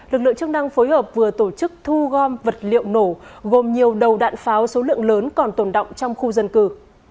lực lượng chức năng phối hợp vừa tổ chức thu gom vật liệu nổ gồm nhiều đầu đạn pháo số lượng lớn còn tồn động trong khu dân cư